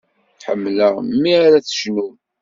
Ḥemmleɣ mi ara tcennum.